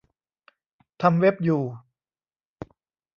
ทำเว็บ อยู่